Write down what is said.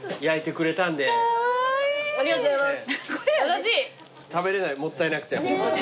お心遣いありがとうございます］